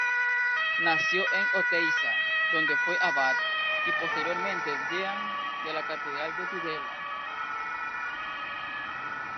Nació en Oteiza, donde fue abad, y posteriormente deán de la catedral de Tudela.